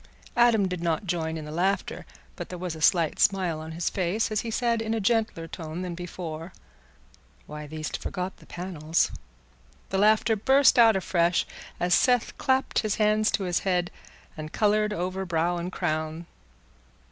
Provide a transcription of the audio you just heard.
Adam did not join in the laughter, but there was a slight smile on his face as he said, in a gentler tone than before, "Why, thee'st forgot the panels." The laughter burst out afresh as Seth clapped his hands to his head, and coloured over brow and crown.